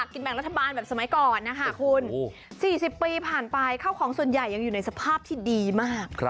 ๔๐ปีผ่านไปเข้าของส่วนใหญ่น่าอยู่ในสภาพที่ดีมาก